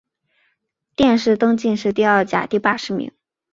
殿试登进士第二甲第八十四名。